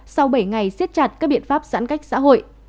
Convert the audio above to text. sau bảy ngày siết chặt các biện pháp giãn cách xã hội